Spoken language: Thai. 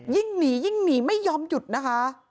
ยิ่งหนียิ่งหนีไม่ยอมหยุดนะคะ